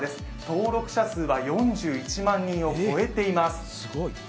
登録者数は４１万人を超えています。